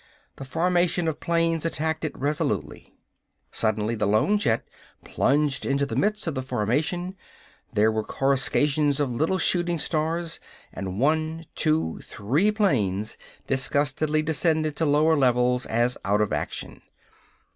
The formation of planes attacked it resolutely. Suddenly the lone jet plunged into the midst of the formation, there were coruscations of little shooting stars, and one two three planes disgustedly descended to lower levels as out of action.